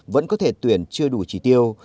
vẫn có thể tuyển chưa đủ chỉ tiêu